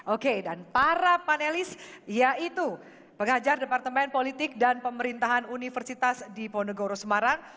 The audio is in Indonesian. oke dan para panelis yaitu pengajar departemen politik dan pemerintahan universitas diponegoro semarang